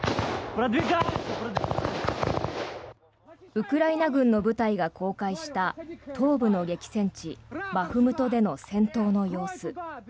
ウクライナ軍の部隊が公開した東部の激戦地バフムトでの戦闘の様子。